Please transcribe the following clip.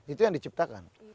itu yang diciptakan